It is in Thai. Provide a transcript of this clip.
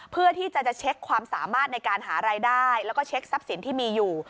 เพื่อที่จะจะเช็คความสามารถในการหารายได้แล้วก็เช็คทรัพย์สินที่มีอยู่